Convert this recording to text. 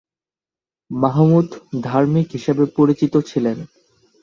মাহমুদ ধার্মিক হিসেবে পরিচিত ছিলেন।